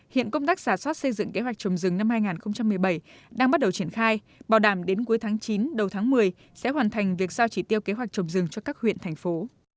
hiện công tác giả soát xây dựng kế hoạch trồng rừng năm hai nghìn một mươi bảy đang bắt đầu triển khai bảo đảm đến cuối tháng chín đầu tháng một mươi sẽ hoàn thành việc sao chỉ tiêu kế hoạch trồng rừng cho các huyện thành phố